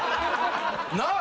なあ？